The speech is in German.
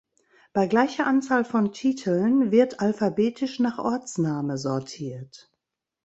Bei gleicher Anzahl von Titeln wird alphabetisch nach Ortsname sortiert.